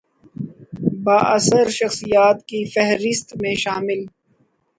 بااثر شخصیات کی فہرست میں شامل